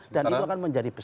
dan itu akan menjadi besar